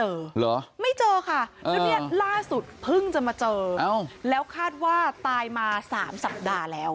เหรอไม่เจอค่ะแล้วเนี่ยล่าสุดเพิ่งจะมาเจออ้าวแล้วคาดว่าตายมาสามสัปดาห์แล้ว